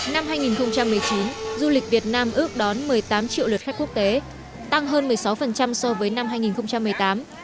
năm hai nghìn một mươi chín du lịch việt nam ước đón một mươi tám triệu lượt khách quốc tế tăng hơn một mươi sáu so với năm hai nghìn một mươi tám